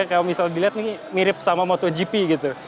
kalau misalnya dilihat ini mirip sama motogp gitu